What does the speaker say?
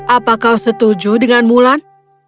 apa kau setuju dengan mulan